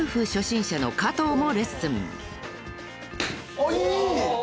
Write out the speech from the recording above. あっいい！